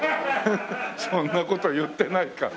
そんな事言ってないか。